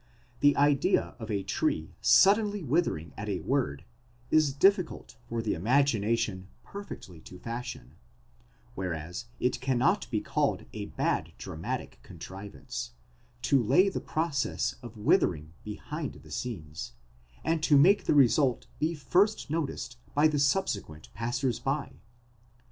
The idea of a tree suddenly withering at a word, is difficult for the imagination perfectly to fashion ; whereas it cannot be called a bad dramatic contrivance, to lay the process of withering behind the scenes, and to make the result be first noticed by the subsequent passers by.